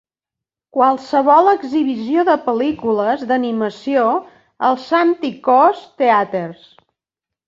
Qualsevol exhibició de pel·lícules d"animació al Santikos Theatres.